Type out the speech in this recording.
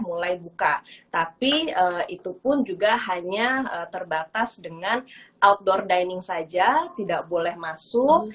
mulai buka tapi itu pun juga hanya terbatas dengan outdoor dining saja tidak boleh masuk